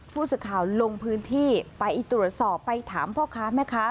ผู้สื่อข่าวลงพื้นที่ไปตรวจสอบไปถามพ่อค้าแม่ค้า